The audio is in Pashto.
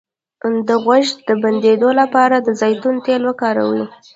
د غوږ د بندیدو لپاره د زیتون تېل وکاروئ